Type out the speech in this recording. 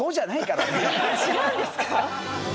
違うんですか？